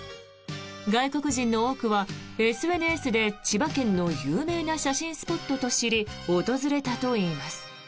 外国人の多くはＳＮＳで千葉県の有名な写真スポットと知り訪れたといいます。